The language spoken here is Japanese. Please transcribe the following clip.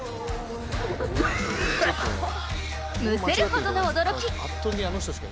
むせるほどの驚き。